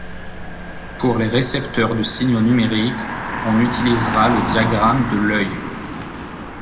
Pour les récepteurs de signaux numériques, on utilisera le diagramme de l'œil.